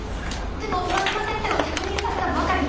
でも上嶋先生は着任されたばかりで。